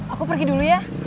aku pergi dulu ya